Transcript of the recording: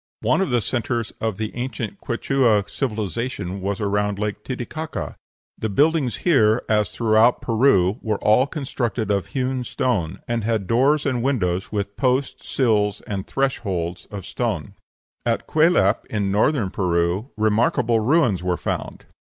One of the centres of the ancient Quichua civilization was around Lake Titicaca. The buildings here, as throughout Peru, were all constructed of hewn stone, and had doors and windows with posts, sills, and thresholds of stone. At Cuelap, in Northern Peru, remarkable ruins were found.